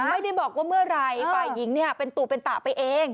ไม่ได้บอกว่าเมื่อไหร่ฝ่ายหญิงเนี่ยเป็นตู่เป็นตะไปเอง